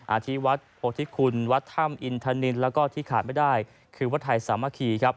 อาทิตย์วัดโพธิคุณวัดถ้ำอินทนินแล้วก็ที่ขาดไม่ได้คือวัดไทยสามัคคีครับ